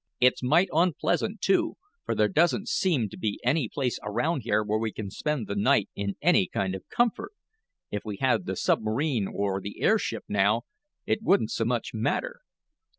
"It's might unpleasant, too, for there doesn't seem to be any place around here where we can spend the night in any kind of comfort. If we had the submarine or the airship, now, it wouldn't so much matter."